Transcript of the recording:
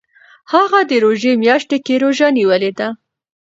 هغه د روژې میاشت کې روژه نیولې ده.